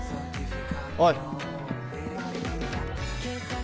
おい。